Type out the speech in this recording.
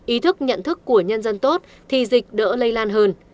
ý thức nhận thức của nhân dân tốt thì dịch đỡ lây lan hơn